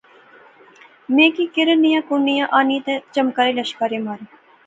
میں کی کرن نیاں کرنیاں آنی تہ چمکارے لشکارے مارے